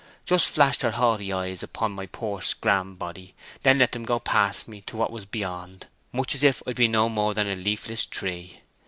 Just flashed her haughty eyes upon my poor scram body, and then let them go past me to what was yond, much as if I'd been no more than a leafless tree.